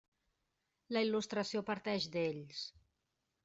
La il·lustració parteix d'ells.